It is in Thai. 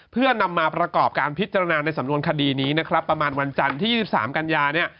เพื่อนำมาประกอบการพิจารณาในสำนวนคดีนี้นะครับประมาณวันจันทร์ที่๒๓กันยาเนี่ย